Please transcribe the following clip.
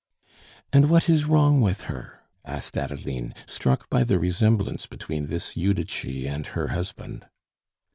"And what is wrong with her?" asked Adeline, struck by the resemblance between this Judici and her husband.